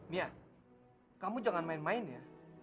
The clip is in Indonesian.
mia kamu jangan main main ya